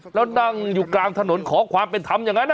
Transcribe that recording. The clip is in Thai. แล้วนั่งอยู่กลางถนนขอความเป็นธรรมอย่างนั้น